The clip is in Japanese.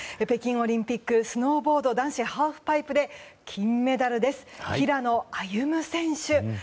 北京オリンピックスノーボード男子ハーフパイプで金メダルです、平野歩夢選手。